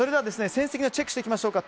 戦績をチェックしていきましょうか。